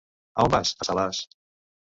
A on vas? A Salàs.